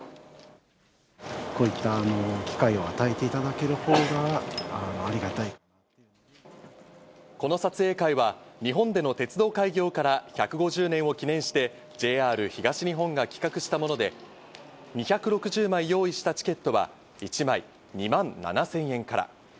こういった機会を与えていたこの撮影会は、日本での鉄道開業から１５０年を記念して、ＪＲ東日本が企画したもので、２６０枚用意したチケットは、１枚２万７０００円から。